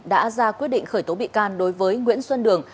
đã ra quyết định khởi tố bị can đối với nguyễn xuân đường